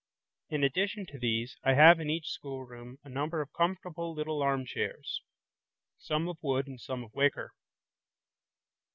In addition to these, I have in each schoolroom a number of comfortable little armchairs, some of wood and some of wicker.